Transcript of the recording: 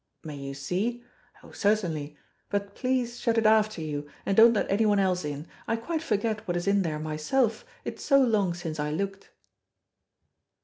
May you see? Oh, certainly; but please shut it after you, and don't let anyone else in. I quite forget what is in there myself, it's so long since I looked."